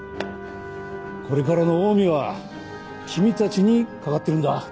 これからのオウミは君たちに懸かってるんだ。